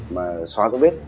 mà xóa dấu vết